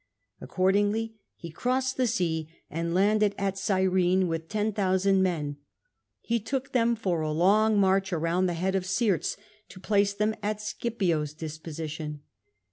Accordingly he crossed the sea, and landed at Gyrene with 10, OCX) men. He took them by a long march, around the head of the Syrtes, to place them at Scipio's disposition.